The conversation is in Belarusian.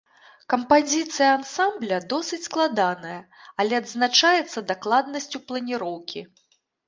Кампазіцыя ансамбля досыць складаная, але адзначаецца дакладнасцю планіроўкі.